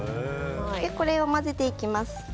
これを混ぜていきます。